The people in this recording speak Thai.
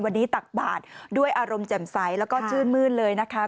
วันนี้ตักบาทด้วยอารมณ์แจ่มใสแล้วก็ชื่นมื้นเลยนะคะ